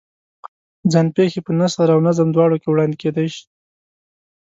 ځان پېښې په نثر او نظم دواړو کې وړاندې کېدای شي.